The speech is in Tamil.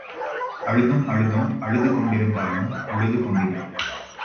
அழுதும் அழுதும், அழுது கொண்டு இருந்தாலும் உழுது கொண்டிரு.